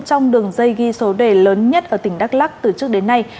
trong đường dây ghi số đề lớn nhất ở tp đắc lắc từ trước đến nay